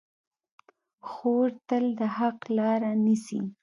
خور تل د حق لاره نیسي.